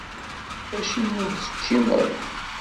Acimi ur teččim ara?